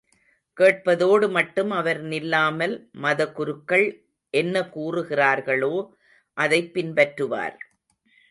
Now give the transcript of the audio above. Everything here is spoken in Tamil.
கேட்பதோடு மட்டும் அவர் நில்லாமல், மதகுருக்கள் என்ன கூறுகிறார்களோ அதைப் பின்பற்றுவார்.